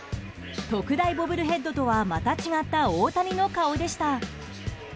特大ボブルヘッドとはまた違った大谷の顔でした。